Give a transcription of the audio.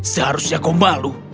seharusnya kau malu